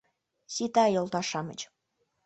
— Сита, йолташ-шамыч.